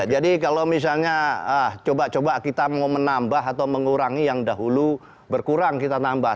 jadi kalau misalnya coba coba kita mau menambah atau mengurangi yang dahulu berkurang kita nambah